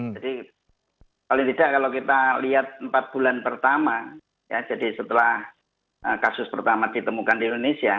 jadi paling tidak kalau kita lihat empat bulan pertama ya jadi setelah kasus pertama ditemukan di indonesia